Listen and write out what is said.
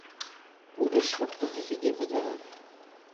Ulac akk win i t-id-ibedren.